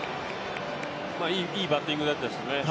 いいバッティングだったですね。